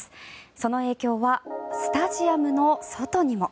その影響はスタジアムの外にも。